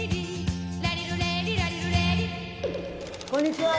こんにちは。